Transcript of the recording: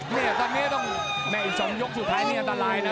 เนี่ยตอนนี้ต้องแม่อีก๒ยกสุดท้ายนี่อันตรายนะ